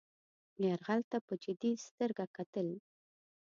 یرغل ته په جدي سترګه کتل.